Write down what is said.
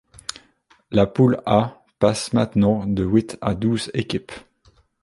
La Poule A passe maintenant de huit à douze équipes.